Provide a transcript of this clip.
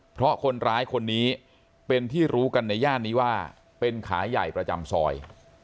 เพราะคนร้ายคนนี้เป็นที่รู้กันในย่านนี้ว่าเป็นขาใหญ่ประจำซอย